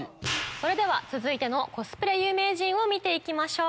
それでは続いてのコスプレ有名人見て行きましょう。